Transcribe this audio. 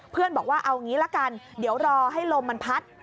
เพื่อนบอกว่าเอาอย่างนี้ละกันเดี๋ยวรอให้ลมมันพัด